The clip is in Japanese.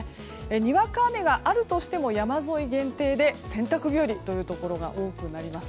にわか雨があるとしても山沿い限定で洗濯日和というところが多くなりそうです。